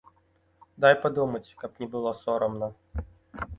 Давай падумай, каб не было сорамна.